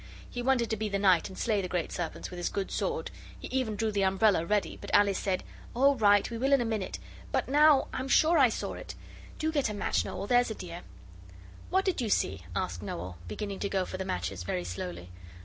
He wanted to be the knight and slay the great serpents with his good sword he even drew the umbrella ready but Alice said, 'All right, we will in a minute. But now I'm sure I saw it; do get a match, Noel, there's a dear.' 'What did you see?' asked Noel, beginning to go for the matches very slowly.